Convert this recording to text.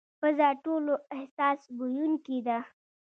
پزه ټولو حساس بویونکې ده.